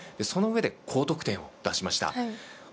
その上で高得点を出しました。